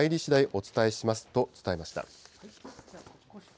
お伝えしますと伝えました。